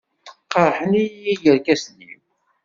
Qerḥen-iyi yirkasen-iw.